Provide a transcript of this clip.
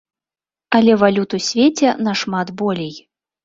Але валют у свеце нашмат болей.